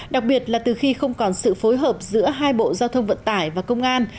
đặc biệt là từ khi không còn sự phối hợp giữa hai bộ giao thông vận tải và công an